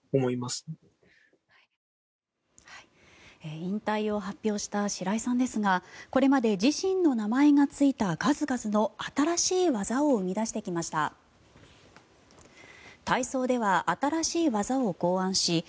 引退を発表した白井さんですがこれまで自身の名前がついた数々の新しい技を生み出してきました。